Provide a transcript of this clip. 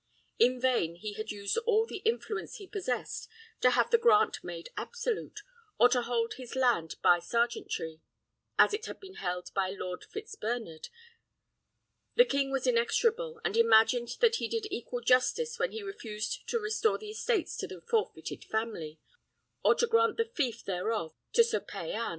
In vain he had used all the influence he possessed to have the grant made absolute, or to hold his land by sergeantry, as it had been held by Lord Fitzbernard; the king was inexorable, and imagined that he did equal justice when he refused to restore the estates to the forfeited family, or to grant the feof thereof to Sir Payan.